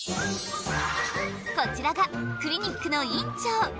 こちらがクリニックの院長。